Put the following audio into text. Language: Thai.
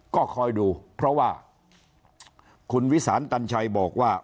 ก็คอยดูเพราะว่าคุณวิสานตันชัยบอกว่า